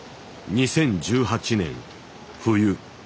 ２０１８年冬。